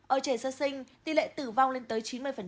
ở trẻ sơ sinh tỷ lệ tử vong lên tới chín mươi